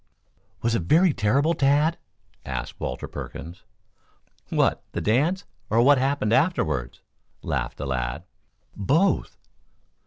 "Was it very terrible, Tad?" asked Walter Perkins. "What, the dance, or what happened afterwards?" laughed the lad. "Both?"